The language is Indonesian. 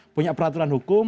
punya peraturan hukum